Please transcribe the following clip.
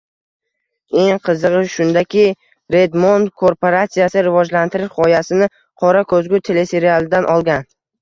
Eng qizigʻi shundaki, Redmond korporatsiyasi, rivojlantirish gʻoyasini “Qora koʻzgu” teleserialidan olgan.